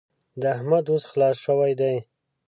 د احمد وس خلاص شوی دی.